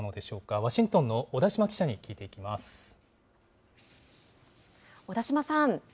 ワシントンの小田島記者に聞いて小田島さん。